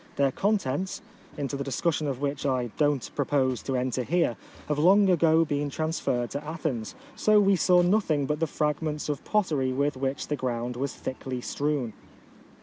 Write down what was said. Their contents, into the discussion of which I do not propose to enter hero, have long ago been transferred to Athens, so we saw nothing but the fragments of pottery with which the ground was thickly strewn.